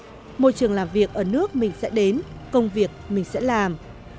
đất môi trường làm việc ở nước mình sẽ đến công việc mình sẽ làm